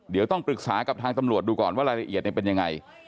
เดี๋ยวต้องปรึกษากับทางตำรวจดูก่อนว่ารายละเอียดเป็นยังไง